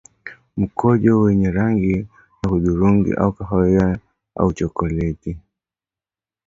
Mkojo wenye rangi ya hudhurungi au kahawia au chokoleti